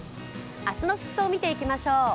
明日の服装を見ていきましょう。